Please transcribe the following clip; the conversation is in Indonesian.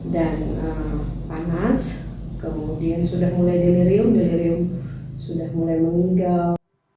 dan panas kemudian sudah mulai delirium delirium sudah mulai mengigau